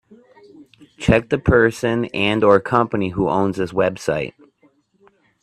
Check the person and/or company who owns this website.